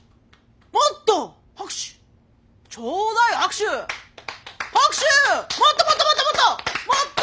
もっともっともっともっと！